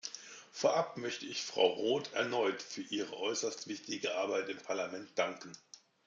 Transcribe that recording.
Vorab möchte ich Frau Rothe erneut für ihre äußerst wichtige Arbeit im Parlament danken.